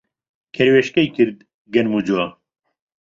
کەروێشکەی کرد گەنم و جۆ